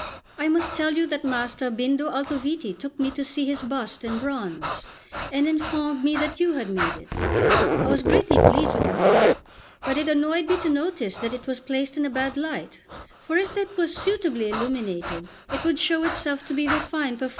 I must tell you that Master Bindo Altoviti took me to see his bust in bronze, and informed me that you had made it. I was greatly pleased with the work; but it annoyed me to notice that it was placed in a bad light; for if it were suitably illuminated, it would show itself to be the fine performance that it is."